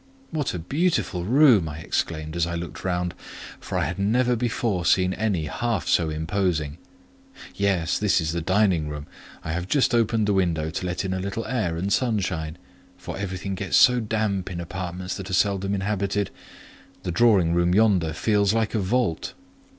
"What a beautiful room!" I exclaimed, as I looked round; for I had never before seen any half so imposing. "Yes; this is the dining room. I have just opened the window, to let in a little air and sunshine; for everything gets so damp in apartments that are seldom inhabited; the drawing room yonder feels like a vault."